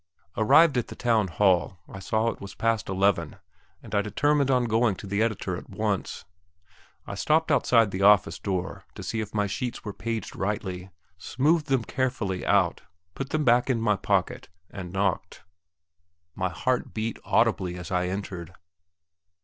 Arrived at the Town Hall I saw that it was past eleven, and I determined on going to the editor at once. I stopped outside the office door to see if my sheets were paged rightly, smoothed them carefully out, put them back in my pocket, and knocked. My heart beat audibly as I entered.